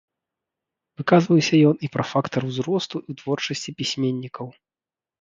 Выказваўся ён і пра фактар узросту ў творчасці пісьменнікаў.